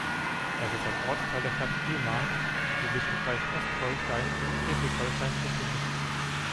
Es ist ein Ortsteil der Stadt Fehmarn, die sich im Kreis Ostholstein, Schleswig-Holstein befindet.